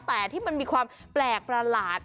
แต่ที่มันมีความแปลกประหลาด